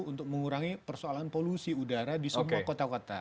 untuk mengurangi persoalan polusi udara di semua kota kota